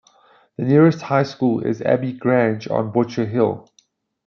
The nearest high school is Abbey Grange on Butcher Hill.